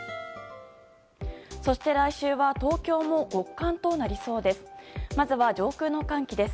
そして来週は東京も極寒となりそうです。